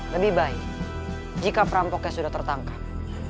lebih baik jika perampoknya sudah tertangkap